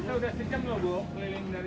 liling dari sini tadi